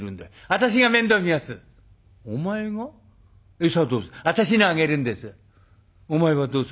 「私のあげるんです」。